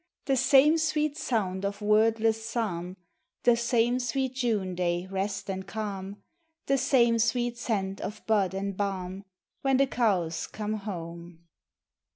The same sweet sound of wordless psalm, The same sweet June day rest and calm, The same sweet scent of bud and balm, When the cows come home.